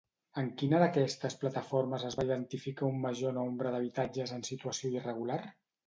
En quina d'aquestes plataformes es va identificar un major nombre d'habitatges en situació irregular?